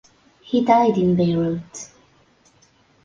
He died in Beirut.